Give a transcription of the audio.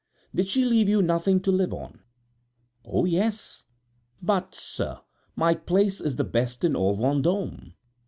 Did she leave you nothing to live on?" "Oh, yes! But, sir, my place is the best in all Vendôme."